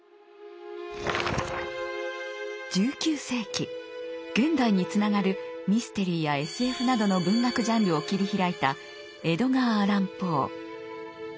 １９世紀現代につながるミステリーやＳＦなどの文学ジャンルを切り開いたエドガー・アラン・ポー。